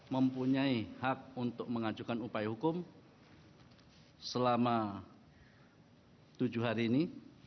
mempunyai hak untuk mengajukan upaya hukum selama tujuh hari ini